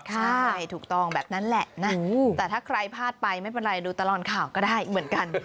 ใช่ถูกต้องแบบนั้นแหละนะแต่ถ้าใครพลาดไปไม่เป็นไรดูตลอดข่าวก็ได้เหมือนกัน